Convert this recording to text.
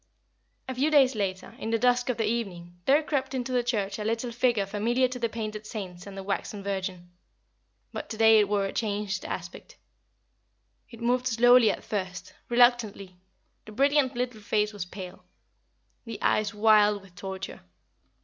A few days later, in the dusk of the evening, there crept into the church a little figure familiar to the painted saints and the waxen Virgin. But to day it wore a changed aspect. It moved slowly at first, reluctantly; the brilliant little face was pale; the eyes wild with torture.